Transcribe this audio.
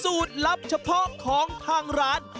ลับเฉพาะของทางร้าน